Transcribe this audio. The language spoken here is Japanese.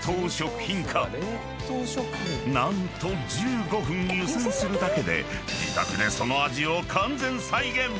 ［何と１５分湯せんするだけで自宅でその味を］